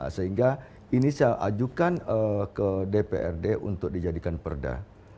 sehingga ini saya ajukan ke dprd untuk dijadikan perda